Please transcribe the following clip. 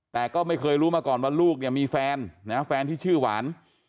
แต่ก็ไม่เคยรู้มาก่อนว่าลูกเนี่ยมีแฟนนะแฟนที่ชื่อหวาน